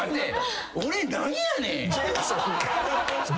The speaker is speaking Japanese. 俺何やねん。